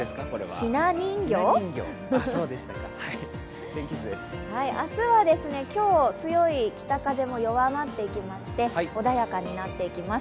ひな人形？明日は今日、強い北風も弱まってきまして穏やかになっていきます。